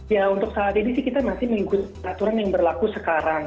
ya untuk saat ini sih kita masih mengikuti aturan yang berlaku sekarang